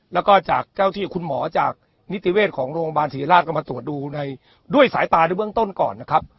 แล้วก็จากเจ้าที่คุณหมอจากนิติเวชของโรงพยาบาลศรีราชก็มาตรวจดูในด้วยสายตาในเบื้องต้นก่อนนะครับ